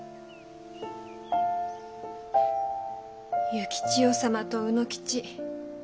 幸千代様と卯之吉。